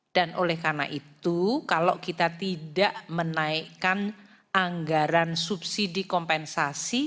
dan oleh karena itu kalau kita tidak menaikkan anggaran subsidi kompensasi